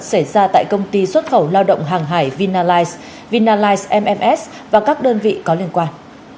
xảy ra tại công ty xuất khẩu lao động hàng hải vinalize vinalize msms và các đơn vị có liên quan